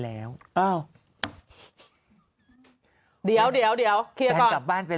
แล้วอ้าวเดี๋ยวเดี๋ยวเคลียร์ก่อนกลับบ้านไป